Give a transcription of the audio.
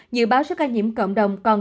dự báo số ca nhiễm cộng đồng còn